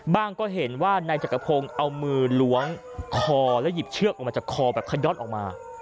บ้างก็เห็นว่าในจักรพงค์เอามือหลวงคอและหยิบเชือกออกมาจากคอแบบขยอดออกมา